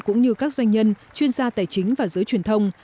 cũng như các doanh nhân chuyên gia tài chính và giới truyền thông